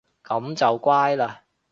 噉就乖嘞